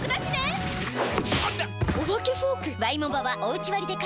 お化けフォーク⁉